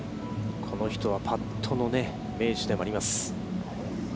この人はパットの名手でもあります。